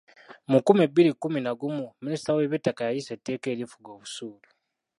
Mu nkumi bbiri mu kkumi na gumu minisita w'eby'ettaka yayisa etteeka erifuga obusuulu.